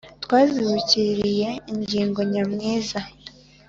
Twazibukiriye ingiro nyamwiza